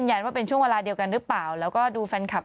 เอาวินัยไกลบุษดิวแปลกก่อนนะฮะ